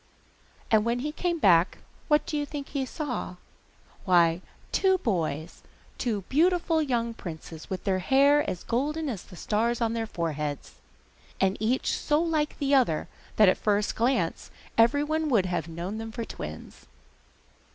And when he came back, what do you think he saw? Why, two boys, two beautiful young princes, with hair as golden as the stars on their foreheads, and each so like the other, that at the first glance every one would have known them for twins.